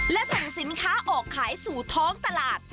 และส่งสินค้าออกขายสู่ท้องตลาด